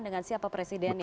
dengan siapa presidennya